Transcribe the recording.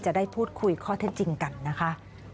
จะได้พูดคุยข้อเท็จจริงกันนะคะ